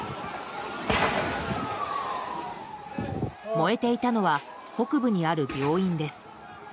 燃えていたのは北部にある病院です。